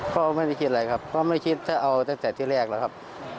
ก็ไม่ได้คิดอะไรครับก็ไม่คิดถ้าเอาตั้งแต่ที่แรกแล้วครับ